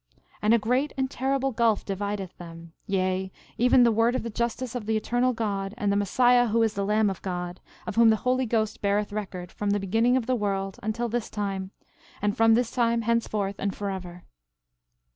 And a great and a terrible gulf divideth them; yea, even the word of the justice of the Eternal God, and the Messiah who is the Lamb of God, of whom the Holy Ghost beareth record, from the beginning of the world until this time, and from this time henceforth and forever.